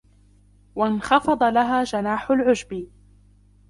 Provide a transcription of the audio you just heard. وَانْخَفَضَ لَهَا جَنَاحُ الْعُجْبِ